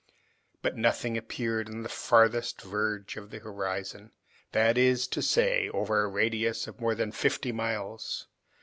But nothing appeared on the farthest verge of the horizon, that is to say over a radius of more than fifty miles.